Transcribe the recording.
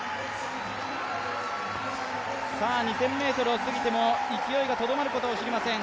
２０００ｍを過ぎても勢いがとどまることを知りません。